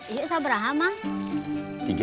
ini berapa mang